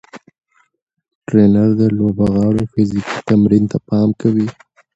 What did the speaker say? ټرېنر د لوبغاړو فزیکي تمرین ته پام کوي.